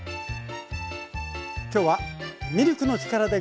今日は「ミルクの力で！